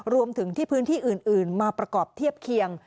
รวมถึงที่พื้นที่อื่นมาประกอบเทียบเคียง